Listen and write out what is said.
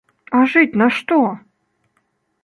А жыць на што?!